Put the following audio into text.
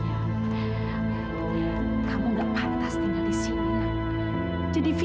aku tahu kalau dia penuh memperkuasa sekretarisnya sendiri